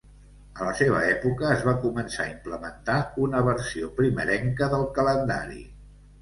A la seva època, es va començar a implementar una versió primerenca del calendari.